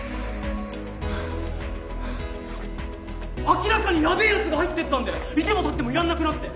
明らかにヤベェやつが入ってったんでいてもたってもいらんなくなって。